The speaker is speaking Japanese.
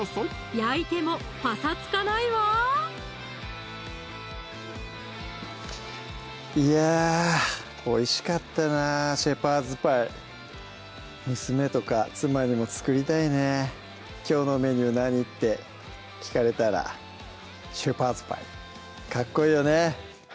焼いてもぱさつかないわいやおいしかったな「シェパーズパイ」娘とか妻にも作りたいね「きょうのメニュー何？」って聞かれたら「シェパーズパイ」かっこいいよね